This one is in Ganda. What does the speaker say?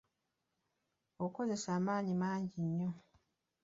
Okozesa amaanyi mangi nnyo.